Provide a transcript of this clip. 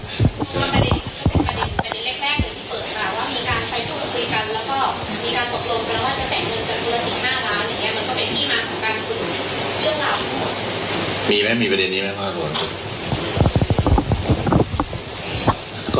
ขออนุญาตครับประเด็นพวกเนี้ยก็อยู่ในสักนวดขอคอมไว้ต่อกันครับ